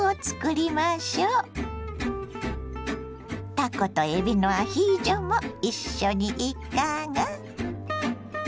たことえびのアヒージョも一緒にいかが。